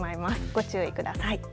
ご注意ください。